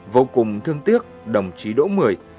vô cùng thương tiếc đồng chí đỗ mười